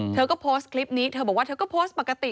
เธอก็โพสต์คลิปนี้เธอบอกว่าเธอก็โพสต์ปกติ